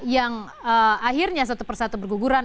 yang akhirnya satu persatu berguguran